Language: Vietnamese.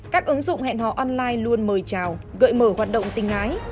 các ứng dụng hẹn họ online luôn mời chào gợi mở hoạt động tình ái